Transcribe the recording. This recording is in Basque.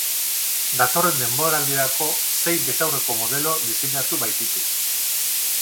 Datorren denboraldirako sei betaurreko modelo diseinatu baititu.